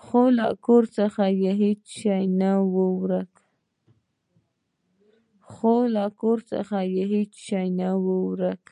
خو له کور څخه هیڅ شی نه و ورک.